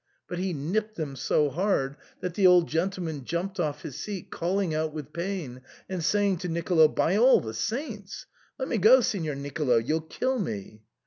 But he nipped them so hard that the old gentleman jumped off his seat, calling out with pain, and saying to Nicolo, " By the saints ! Let me go, Signor Nicolo ; you'll kill me."